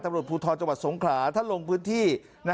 ตำรวจภูทรจังหวัดสงขลาท่านลงพื้นที่